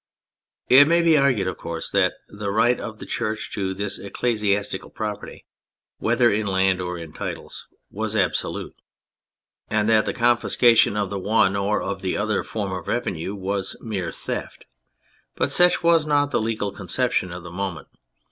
It may be argued, of course, that the right of the Church to this ecclesiastical property, whether in land or in tithes, was absolute, and that the confiscation of the one or of the other form of revenue was mere theft. But such was not the legal conception of the moment.